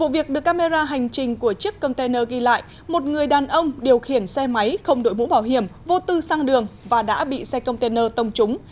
vụ việc được camera hành trình của chiếc container ghi lại một người đàn ông điều khiển xe máy không đội mũ bảo hiểm vô tư sang đường và đã bị xe container tông trúng